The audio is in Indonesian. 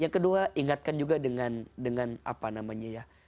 yang kedua ingatkan juga dengan apa namanya ya